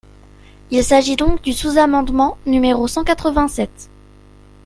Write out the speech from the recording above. Il s’agit donc du sous-amendement numéro cent quatre-vingt-sept.